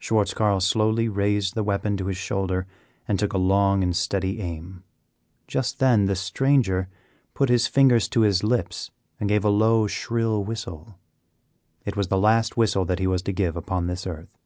Schwartz Carl slowly raised the weapon to his shoulder and took a long and steady aim. Just then the stranger put his fingers to his lips and gave a low, shrill whistle. It was the last whistle that he was to give upon this earth.